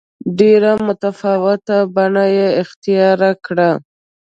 ډېره متفاوته بڼه یې اختیار کړه.